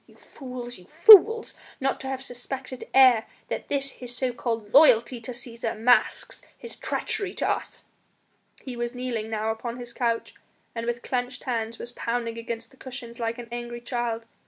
You fools! you fools! Not to have suspected ere this that his so called loyalty to Cæsar masks his treachery to us!" He was kneeling now upon his couch, and with clenched hands was pounding against the cushions like an angry child.